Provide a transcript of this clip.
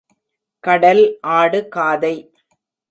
கடல் ஆடு காதை.